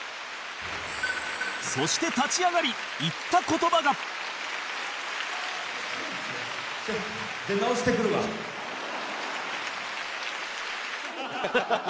そして立ち上がり言った言葉がハハハハ！